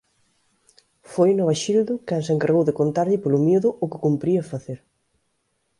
Foi Novaxildo quen se encargou de contarlle polo miúdo o que cumpría facer.